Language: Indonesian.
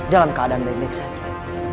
dalam keadaan baik baik saja